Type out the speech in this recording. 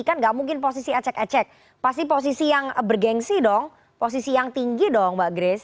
kan gak mungkin posisi ecek ecek pasti posisi yang bergensi dong posisi yang tinggi dong mbak grace